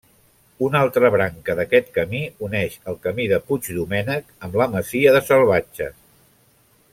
Una altra branca d'aquest camí uneix el Camí de Puigdomènec amb la masia de Salvatges.